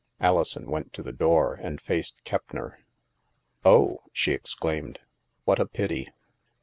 Alison went to the door, and faced Keppner. " Oh," she exclaimed, " what a pity